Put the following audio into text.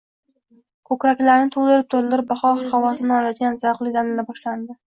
Ko'kraklarni to'ldirib-to'ldirib bahor xavosini oladigan zavqli damlar boshlandi.